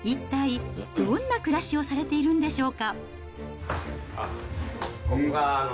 一体、どんな暮らしをされているんでしょうか。